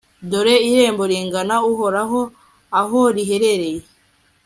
dore irembo rigana uhoraho aho riherereye